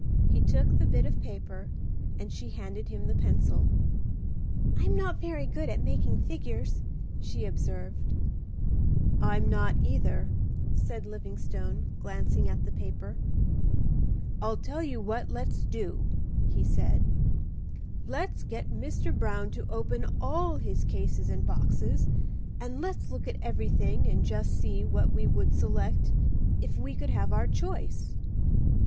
He took the bit of paper and she handed him the pencil. "I'm not very good at making figures," she observed. "I'm not either," said Livingstone, glancing at the paper. "I'll tell you what let's do," he said. "Let's get Mr. Brown to open all his cases and boxes, and let's look at everything and just see what we would select if we could have our choice?"